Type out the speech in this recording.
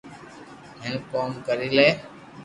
ھين ڪوم ڪري لي